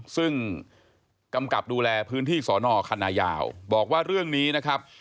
ซึ่งกำกับดูแลพื้นที่สอนอคณะยาวบอกว่าเรื่องนี้นะครับ